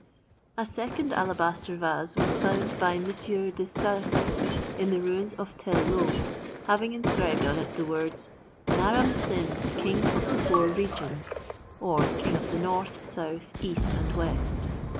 A second alabaster vase was found by M. de Sarazec in the ruins of Tel Loh, having inscribed on it the words: "Naram Sin, King of the Four Regions," or king of the north, south, east and west.